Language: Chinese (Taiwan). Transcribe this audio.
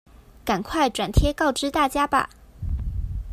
趕快轉貼告知大家吧！